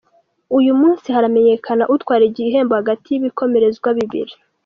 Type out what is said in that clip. Uyu munsi haramenyekana utwara igihembo hagati yibikomerezwa bibiri